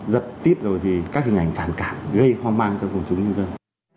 giật tít các hình ảnh phản cảm gây hoang mang cho công chúng nhân dân